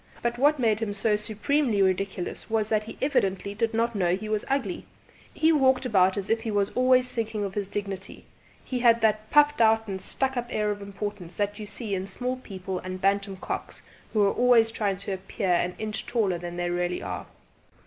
But what made him so supremely ridiculous was that he evidently did not know he was ugly; he walked about as if he was always thinking of his dignity, and he had that puffed out and stuck up air of importance that you only see in small people and bantam cocks who are always trying to appear an inch taller than they really are.